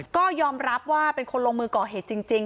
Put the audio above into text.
ก็ยอมรับว่าเป็นคนลงมือก่อเหตุจริง